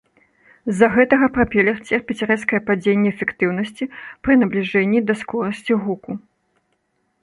З-за гэтага прапелер церпіць рэзкае падзенне эфектыўнасці пры набліжэнні да скорасці гуку.